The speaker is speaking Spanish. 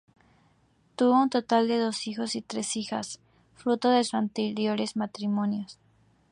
Tuvo un total de dos hijos y tres hijas fruto de sus anteriores matrimonios.